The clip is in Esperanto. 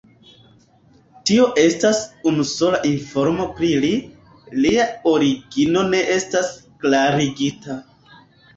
Tio estas unusola informo pri li, lia origino ne estas klarigita.